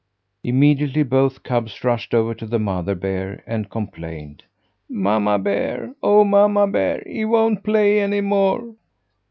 Immediately both cubs rushed over to the mother bear and complained: "Mamma Bear, oh, Mamma Bear, he won't play any more."